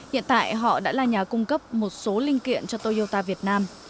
hiện tại họ đã là nhà cung cấp một số linh kiện cho toyota việt nam